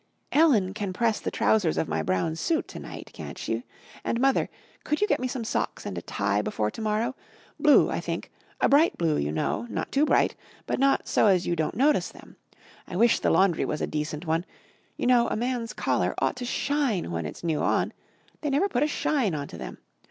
"Ellen can press the trousers of my brown suit to night, can't she? And, Mother, could you get me some socks and a tie before to morrow? Blue, I think a bright blue, you know, not too bright, but not so as you don't notice them. I wish the laundry was a decent one. You know, a man's collar ought to shine when it's new on. They never put a shine on to them.